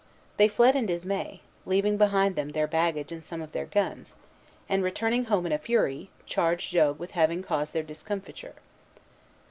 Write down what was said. They fled in dismay, leaving behind them their baggage and some of their guns; and, returning home in a fury, charged Jogues with having caused their discomfiture.